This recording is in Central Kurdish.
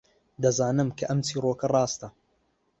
دەزانم کە ئەم چیرۆکە ڕاستە.